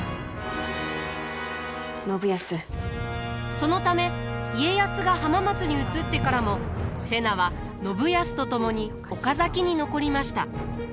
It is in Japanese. そのため家康が浜松に移ってからも瀬名は信康と共に岡崎に残りました。